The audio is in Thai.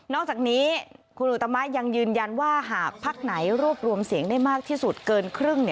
อกจากนี้คุณอุตมะยังยืนยันว่าหากพักไหนรวบรวมเสียงได้มากที่สุดเกินครึ่ง